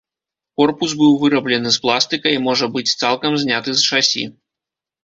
Корпус быў выраблены з пластыка і можа быць цалкам зняты з шасі.